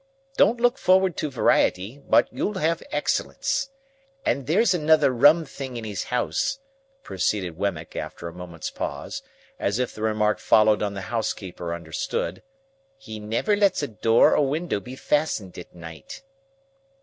Don't look forward to variety, but you'll have excellence. And there's another rum thing in his house," proceeded Wemmick, after a moment's pause, as if the remark followed on the housekeeper understood; "he never lets a door or window be fastened at night."